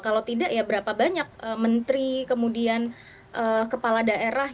kalau tidak ya berapa banyak menteri kemudian kepala daerah